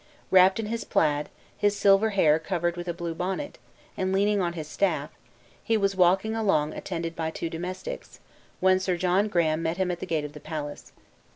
Wrapped in his plaid, his silver hair covered with a blue bonnet, and leaning on his staff, he was walking along attended by two domestics, when Sir John Graham met him at the gate of the palace.